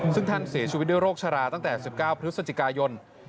ซึ่งท่านเสียชีวิตโดยโรคชราตั้งแต่สิบเก้าพฤษจิกายน